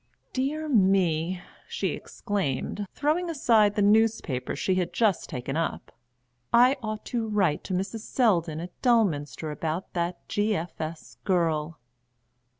"Dear me," she exclaimed, throwing aside the newspaper she had just taken up, "I ought to write to Mrs. Selldon at Dulminster about that G.F.S. girl!"